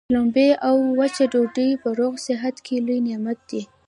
شلومبې او وچه ډوډۍ په روغ صحت کي لوی نعمت دی.